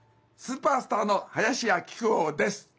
スーパースターの林家木久扇です。